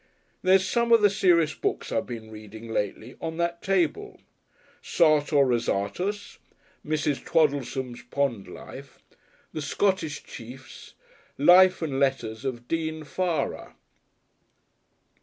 There's some of the serious books I've been reading lately on that table; Sartor Resartus Mrs. Twaddletome's Pond Life, the Scottish Chiefs, Life and Letters of Dean Farrar...."